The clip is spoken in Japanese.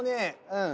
うん。